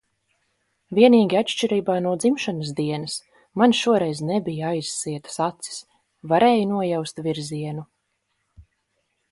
Vienīgi atšķirībā no dzimšanas dienas, man šoreiz nebija aizsietas acis. Varēju nojaust virzienu.